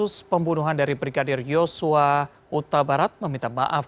saya juga sudah minta amat